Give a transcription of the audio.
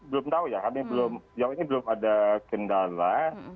belum tahu ya kami belum jauh ini belum ada kendala